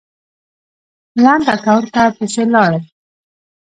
لنډ اکاونټ ته پسې لاړم